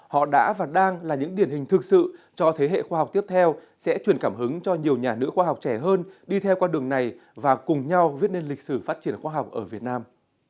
họ đã và đang là những điển hình thực sự cho thế hệ khoa học tiếp theo sẽ truyền cảm hứng cho nhiều nhà nữ khoa học trẻ hơn đi theo con đường này và cùng nhau viết nên lịch sử phát triển khoa học ở việt nam